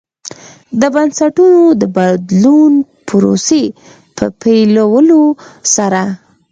د بنسټونو د بدلون پروسې په پیلولو سره.